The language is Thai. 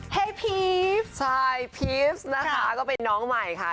ให้พีชใช่พีชนะคะก็เป็นน้องใหม่ค่ะ